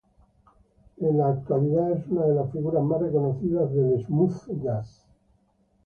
En la actualidad es una de las figuras más reconocidas del "smooth jazz".